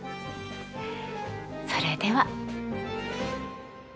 それでは。